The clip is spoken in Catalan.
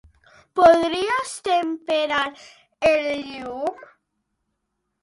Podries temperar el llum?